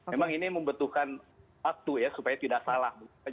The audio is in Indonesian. memang ini membutuhkan waktu ya supaya tidak salah